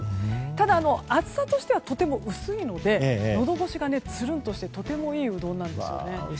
ただ、厚さとしてはとても薄いのでのどごしがつるんとしてとてもいいうどんなんですよね。